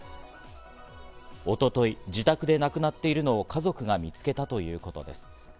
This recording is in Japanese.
一昨日、自宅で亡くなっているのを家族が見つけたということです。